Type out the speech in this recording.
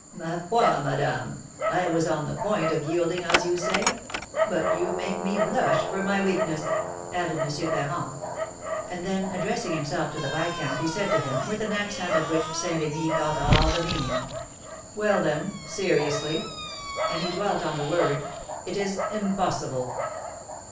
"Ma foi, madame! I was on the point of yielding, as you say; but you make me blush for my weakness," added M. Ferrand. And then, addressing himself to the viscount, he said to him, with an accent of which Saint Remy felt all the meaning, "Well then, seriously," (and he dwelt on the word), "it is impossible."